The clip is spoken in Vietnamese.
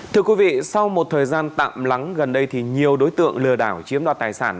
thưa quý vị sau một thời gian tạm lắng gần đây thì nhiều đối tượng lừa đảo chiếm đoạt tài sản